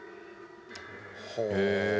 へえ。